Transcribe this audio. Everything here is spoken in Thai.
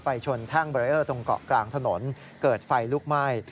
ชนแท่งเบรีเออร์ตรงเกาะกลางถนนเกิดไฟลุกไหม้